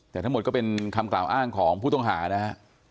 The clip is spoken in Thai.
แต่ทั้งหมดก็เป็นคำกล่าวอ้างของผู้ต้องหานะฮะ